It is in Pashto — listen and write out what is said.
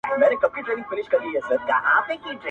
روهیلۍ د روهستان مي څه ښه برېښي,